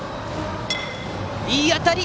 いい当たり！